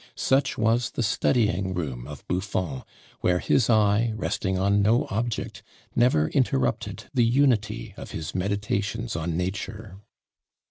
Such was the studying room of Buffon, where his eye, resting on no object, never interrupted the unity of his meditations on nature.